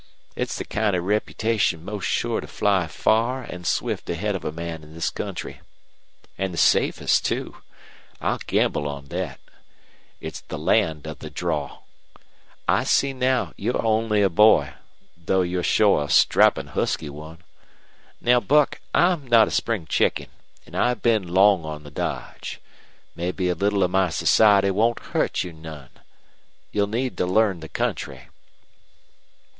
It's the kind of reputation most sure to fly far an' swift ahead of a man in this country. An' the safest, too; I'll gamble on thet. It's the land of the draw. I see now you're only a boy, though you're shore a strappin' husky one. Now, Buck, I'm not a spring chicken, an' I've been long on the dodge. Mebbe a little of my society won't hurt you none. You'll need to learn the country."